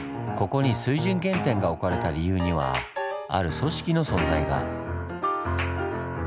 ここに水準原点が置かれた理由にはある組織の存在が。